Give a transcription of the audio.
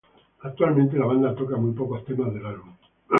Actualmente, la banda toca muy pocos temas del álbum.